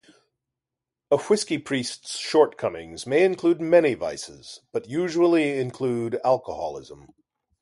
A whisky priest's shortcomings may include many vices, but usually include alcoholism.